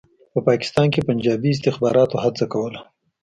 په پاکستان کې پنجابي استخباراتو هڅه کوله.